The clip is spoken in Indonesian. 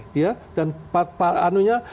tidak ada yang dilanggar